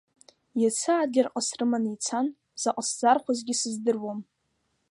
Иацы Адлерҟа срыманы ицан, заҟа сзаархәазгьы сыздыруам.